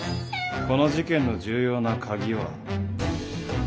この事件の重要な鍵は。